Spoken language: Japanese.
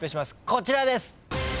こちらです。